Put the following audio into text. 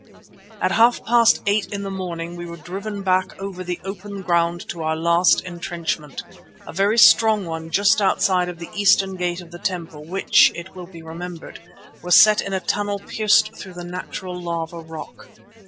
At half past eight in the morning we were driven back over the open ground to our last entrenchment, a very strong one just outside of the eastern gate of the temple which, it will be remembered, was set in a tunnel pierced through the natural lava rock.